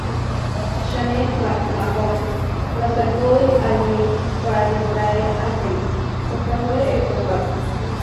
Shane McMahon la sacó al ring para distraer a Rhyno, costándole el combate.